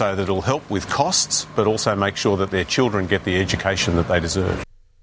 jadi ini akan membantu dengan harga tapi juga memastikan anak anak mereka mendapatkan pendidikan yang mereka berhargai